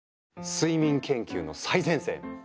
睡眠研究の最前線！